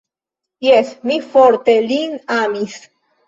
Jes, mi forte lin amis.